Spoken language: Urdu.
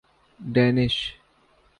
ڈینش